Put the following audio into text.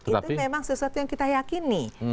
itu memang sesuatu yang kita yakini